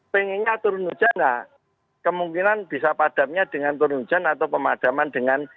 pengennya turun hujan nggak kemungkinan bisa padamnya dengan turun hujan atau pemadaman dengan